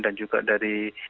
dan juga dari